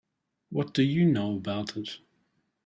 What do you know about it?